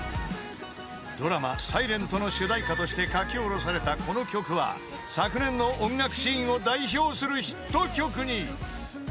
［ドラマ『ｓｉｌｅｎｔ』の主題歌として書き下ろされたこの曲は昨年の音楽シーンを代表するヒット曲に］